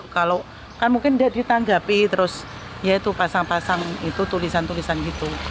kalau kan mungkin tidak ditanggapi terus ya itu pasang pasang itu tulisan tulisan gitu